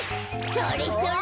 それそれ。